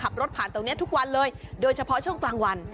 ขับรถผ่านตรงนี้ทุกวันเลยโดยเฉพาะช่วงกลางวัน